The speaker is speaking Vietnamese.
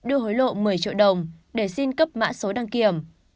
ông hình đã góp một mươi triệu đồng để xin cấp mã số đăng kiểm